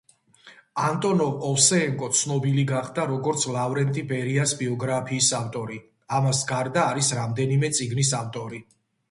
ანტონოვ-ოვსეენკო ცნობილი გახდა, როგორც ლავრენტი ბერიას ბიოგრაფიის ავტორი; ამას გარდა, არის რამდენიმე წიგნის ავტორი.